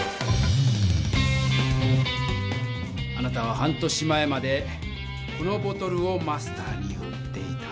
あなたは半年前までこのボトルをマスターに売っていた。